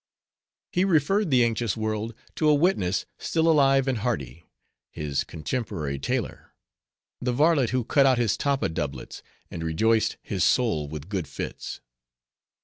He referred the anxious world to a witness, still alive and hearty,—his contemporary tailor; the varlet who cut out his tappa doublets, and rejoiced his soul with good fits.